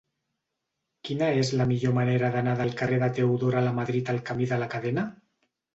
Quina és la millor manera d'anar del carrer de Teodora Lamadrid al camí de la Cadena?